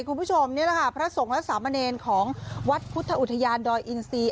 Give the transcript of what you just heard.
คุณผู้ชมนี่แหละค่ะพระสงฆ์และสามเณรของวัดพุทธอุทยานดอยอินซี